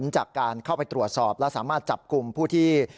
จากการเข้าไปตรวจสอบและสามารถจับกลุ่มผู้ที่